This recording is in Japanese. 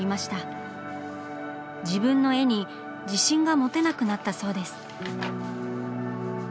自分の絵に自信が持てなくなったそうです。